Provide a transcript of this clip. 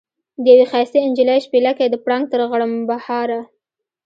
د یوې ښایستې نجلۍ شپېلکی د پړانګ تر غړمبهاره.